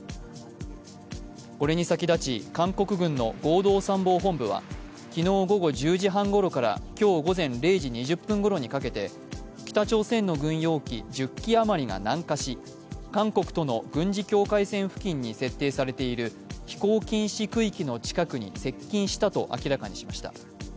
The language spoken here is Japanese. これに先立ち、韓国軍の合同参謀本部は昨日午後１０時半ごろから今日午前０時２０分ごろにかけて北朝鮮の軍用機１０機余りが南下し韓国との軍事境界線付近に設定されている飛行禁止区域の近くに接近したと明らかにしました。